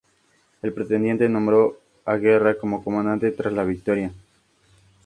El pretendiente nombró a Guerra como Comandante tras la victoria.